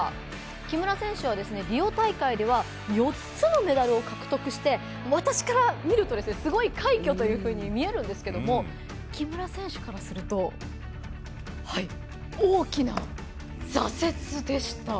木村選手はリオ大会では４つのメダルを獲得して、私から見るとすごい快挙というふうに見えるんですけれども木村選手からすると大きな挫折でした。